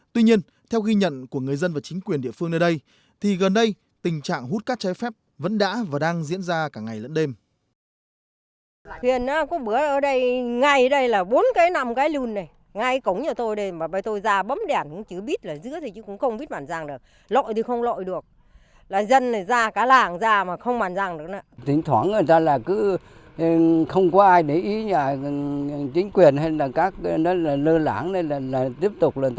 tuy nhiên theo ghi nhận của người dân và chính quyền địa phương nơi đây thì gần đây tình trạng hút cát cháy phép vẫn đã và đang diễn ra cả ngày lẫn đêm